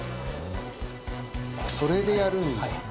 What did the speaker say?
それでやるんだ。